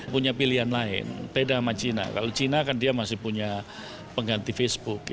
punya pilihan lain beda sama cina kalau china kan dia masih punya pengganti facebook